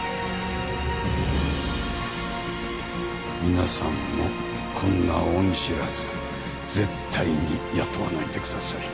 皆さんもこんな恩知らず絶対に雇わないでください。